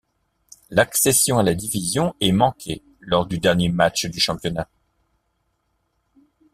L'accession à la division est manquée lors du dernier match du championnat.